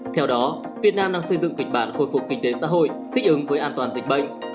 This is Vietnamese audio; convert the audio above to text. theo đó việt nam đang xây dựng kịch bản khôi phục kinh tế xã hội thích ứng với an toàn dịch bệnh